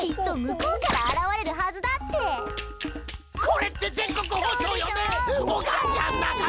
これって全国放送よね